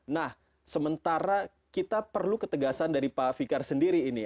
nah sementara kita perlu ketegasan dari pak fikar sendiri ini